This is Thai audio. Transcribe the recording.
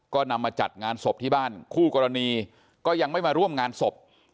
ก็นำมาจัดงานศพที่บ้านคู่กรณีก็ยังไม่มาร่วมงานศพ